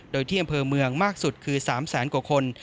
โดยที่อำเภอเมืองมากสุดคือ๓แสนกว่าคน